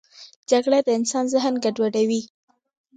جګړه د انسان ذهن ګډوډوي